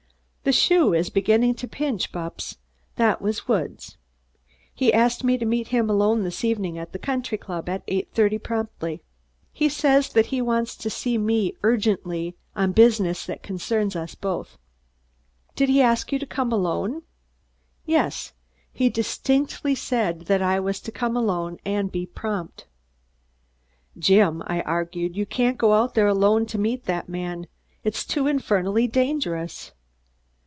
"The shoe is beginning to pinch, Bupps. That was Woods. He asks me to meet him alone this evening at the country club, at eight thirty promptly. Says he wants to see me urgently on business that concerns us both." "Did he ask you to come alone?" "Yes. He distinctly said that I was to come alone and be prompt." "Jim," I argued, "you can't go out there alone to meet that man. It's too infernally dangerous."